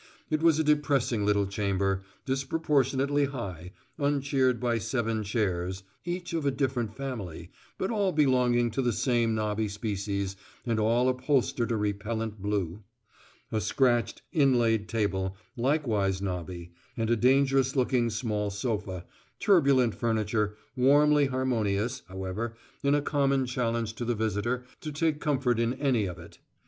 It was a depressing little chamber, disproportionately high, uncheered by seven chairs (each of a different family, but all belonging to the same knobby species, and all upholstered a repellent blue), a scratched "inlaid table," likewise knobby, and a dangerous looking small sofa turbulent furniture, warmly harmonious, however, in a common challenge to the visitor to take comfort in any of it.